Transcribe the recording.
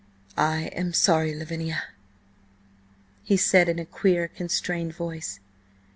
"I am–sorry–Lavinia," he said in a queer, constrained voice.